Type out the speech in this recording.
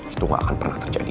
itu gak akan pernah terjadi